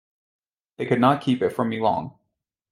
They could not keep it from me long.